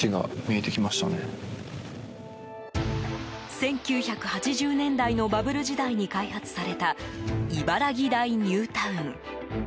１９８０年代のバブル時代に開発された茨木台ニュータウン。